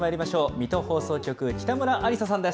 水戸放送局、北村有紗さんです。